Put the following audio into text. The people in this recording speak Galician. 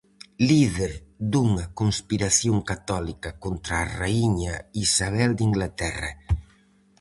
Líder dunha conspiración católica contra a Raíña Isabel de Inglaterra.